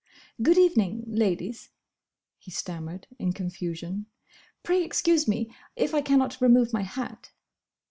"Good evening, Ladies!" he stammered, in confusion. "Pray excuse me if I cannot remove my hat."